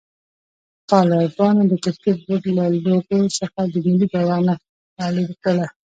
طالبانو د کرکټ بورډ له لوګو څخه د ملي بيرغ نخښه لېري کړه.